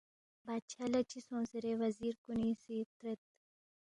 بادشاہ لہ چِہ سونگس زیرے وزیر کُنی سی ترید